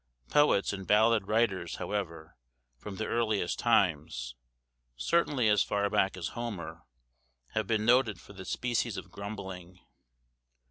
Poets and ballad writers, however, from the earliest times, certainly as far back as Homer, have been noted for this species of grumbling.